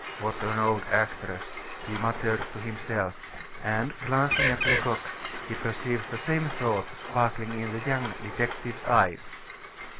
"What an old actress!" he muttered to himself, and, glancing at Lecoq, he perceived the same thought sparkling in the young detective's eyes.